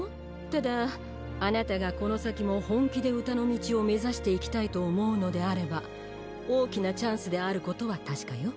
ただあなたがこの先も本気で歌の道を目指していきたいと思うのであれば大きなチャンスであることは確かよ。